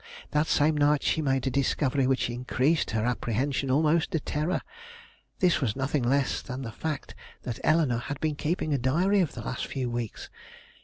That same night she made a discovery which increased her apprehension almost to terror. This was nothing less than the fact that Eleanore had been keeping a diary of the last few weeks.